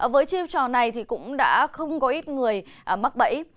với chiêu trò này thì cũng đã không có ít người mắc bẫy